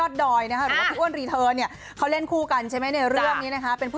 ที่พี่ทั่วลอนและว่าพี่อ้วนเค้าเล่นครูกันช่วงวันนี้